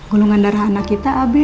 golongan darah anak kita abe